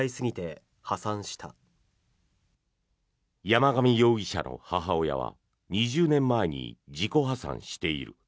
山上容疑者の母親は２０年前に自己破産している。